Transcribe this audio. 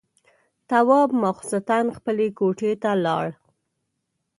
تواب ماخستن خپلې کوټې ته لاړ.